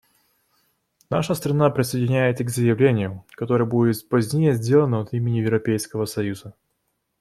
Наша страна присоединяется к заявлению, которое будет позднее сделано от имени Европейского союза.